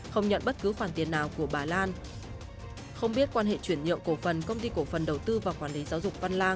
không nhận bất cứ khoản tiền nào của bà lan không biết quan hệ chuyển nhượng cổ phần công ty cổ phần đầu tư và quản lý giáo dục văn lan